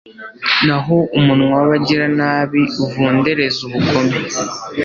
naho umunwa w’abagiranabi uvundereza ubugome